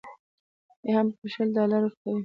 بیا به هم شل ډالره ورکوې.